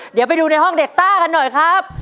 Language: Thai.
เดี๋ยวไปดูในห้องเด็กซ่ากันหน่อยครับ